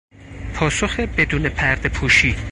پاسخ بدون پردهپوشی